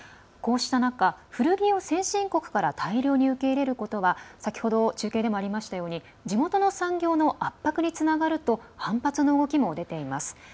こうした中古着を先進国から大量に受け入れることは先ほど中継でもありましたように地元の産業の圧迫につながると反発の動きも出ています。